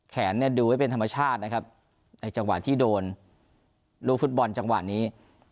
เนี่ยดูไว้เป็นธรรมชาตินะครับในจังหวะที่โดนลูกฟุตบอลจังหวะนี้